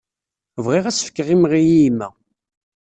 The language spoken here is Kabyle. Bɣiɣ ad as-fkeɣ imɣi i yemma.